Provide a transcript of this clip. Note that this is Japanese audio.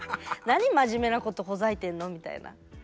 何真面目なことほざいてんのみたいな。